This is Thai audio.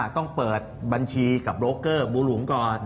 ต้องเปิดบัญชีกับโลเกอร์บูหลุมก่อน